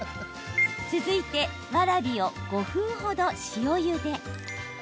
続いてわらびを５分ほど塩ゆで。